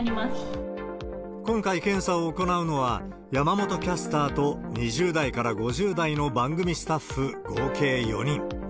今回、検査を行うのは山本キャスターと、２０代から５０代の番組スタッフ合計４人。